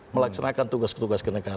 melaksanakan tugas tugas ke negara